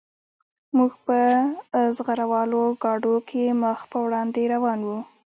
موږ په زغره والو ګاډو کې مخ په وړاندې روان وو